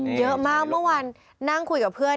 เยอะมากเมื่อวานนั่งคุยกับเพื่อน